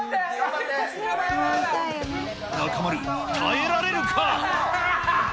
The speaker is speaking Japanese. やばい、中丸、耐えられるか。